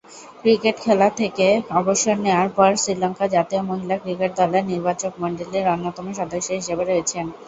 Cricket খেলা থেকে অবসর নেয়ার পর শ্রীলঙ্কা জাতীয় মহিলা ক্রিকেট দলের নির্বাচকমণ্ডলীর অন্যতম সদস্য হিসেবে রয়েছেন।